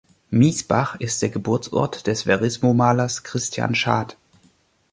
Miesbach ist der Geburtsort des Verismo-Malers Christian Schad.